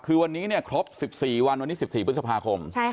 คือวันนี้เนี่ยครบ๑๔วันวันนี้๑๔ปฏิสัพหาคม